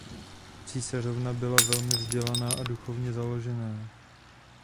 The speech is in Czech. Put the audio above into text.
Císařovna byla velmi vzdělaná a duchovně založená.